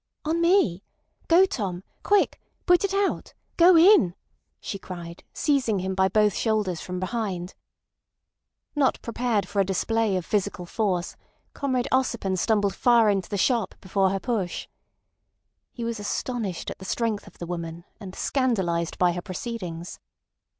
"On me! Go, Tom. Quick! Put it out. ... Go in!" she cried, seizing him by both shoulders from behind. Not prepared for a display of physical force, Comrade Ossipon stumbled far into the shop before her push. He was astonished at the strength of the woman and scandalised by her proceedings.